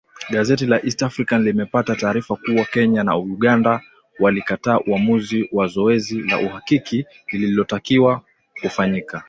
Gazeti la East African limepata taarifa kuwa Kenya na Uganda walikataa uamuzi wa zoezi la uhakiki lililotakiwa kufanyika